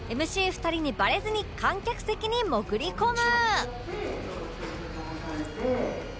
２人にバレずに観客席に潜り込む！